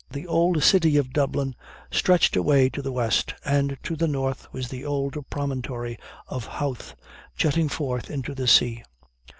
The old city of Dublin stretched away to the west, and to the north was the old promontory of Howth, jutting forth into the sea.